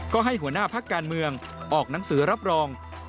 ก็ให้หัวหน้าพักการเมืองออกหนังสือรับรอง